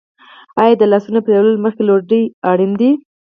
آیا د لاسونو مینځل مخکې له ډوډۍ اړین نه دي؟